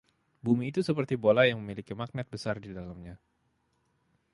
Bumi itu seperti bola yang memiliki magnet besar di dalamnya.